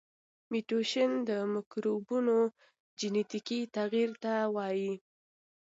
میوټیشن د مکروبونو جنیتیکي تغیر ته وایي.